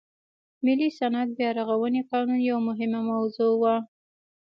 ملي صنعت بیا رغونې قانون یوه مهمه موضوع وه.